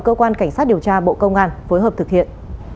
cơ quan cảnh sát điều tra bộ công an phối hợp thực hiện